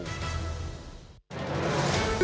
สวัสดีค่ะต้องรับคุณผู้ชมเข้าสู่ชูเวสตีศาสตร์หน้า